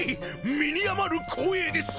身に余る光栄です！